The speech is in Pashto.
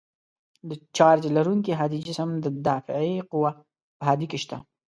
د چارج لرونکي هادي جسم د دافعې قوه په هادې کې شته.